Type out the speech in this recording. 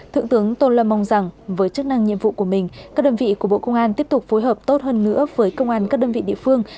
thượng tướng tô lâm mong rằng với chức năng nhiệm vụ của mình các đơn vị của bộ công an tiếp tục phối hợp tốt hơn nữa với công an các đơn vị địa phương